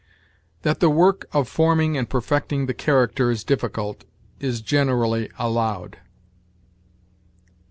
"That the work of forming and perfecting the character is difficult, is generally allowed."